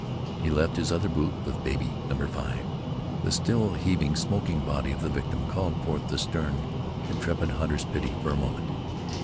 He left his other boot with baby number five. The still heaving, smoking body of the victim called forth the stern, intrepid hunter's pity for a moment.